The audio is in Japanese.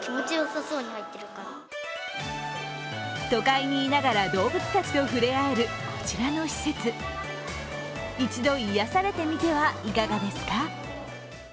都会にいながら動物たちと触れあえるこちらの施設一度、癒やされてみてはいかがですか？